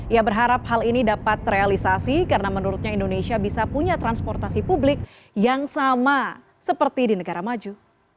ia berharap hal ini dapat terrealisasi karena menurutnya indonesia bisa punya transportasi publik yang sama seperti di negara maju